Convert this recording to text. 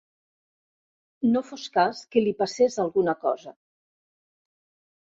No fos cas que li passés alguna cosa.